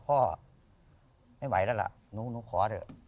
พ่อไม่ไหวแล้วล่ะหนูขอเถอะ